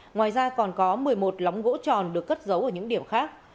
ngoài ra còn có một mươi một lóng gỗ tròn được cất giấu ở những điểm khác